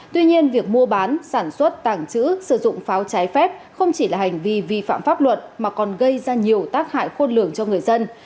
tuy nhiên việc mua bán sản xuất tàng trữ sử dụng pháo trái phép không chỉ là hành vi vi phạm pháp luật mà còn gây ra nhiều tác hại khôn lường cho người dân